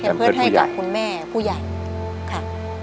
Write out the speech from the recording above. แพมเพิร์ตให้จากคุณแม่ผู้ใหญ่ค่ะ